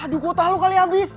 aduh kota lu kali habis